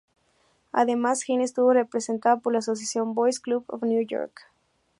Además Hein estuvo representada por la asociación "Boys' Club of New York".